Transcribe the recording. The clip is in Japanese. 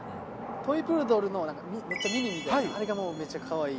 トイプードルの、なんかめっちゃミニみたいな、あれがめっちゃかわいい。